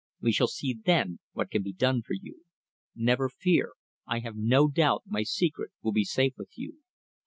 We shall see then what can be done for you. Never fear. I have no doubt my secret will be safe with you.